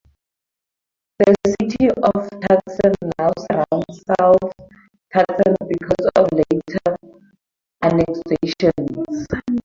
The city of Tucson now surrounds South Tucson because of later annexations.